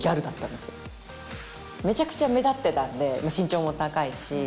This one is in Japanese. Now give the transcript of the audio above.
めちゃくちゃ目立ってたんで身長も高いし。